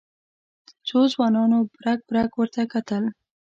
څو ځوانانو برګ برګ ورته کتل.